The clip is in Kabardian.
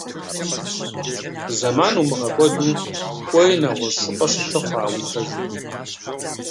Зэман умыгъэкӀуэду, кӀуэи нэгъуэщӀ щӀыпӀэ щылъыхъуэ а уи пэжым.